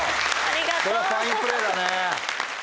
これはファインプレーだね。